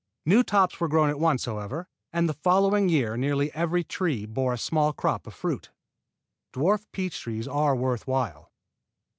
New tops were grown at once, however, and the following year nearly every tree bore a small crop of fruit. Dwarf peach trees are worth while.